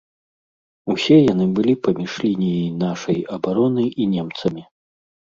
Усе яны былі паміж лініяй нашай абароны і немцамі.